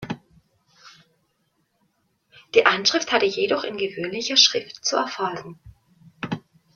Die Anschrift hatte jedoch in gewöhnlicher Schrift zu erfolgen.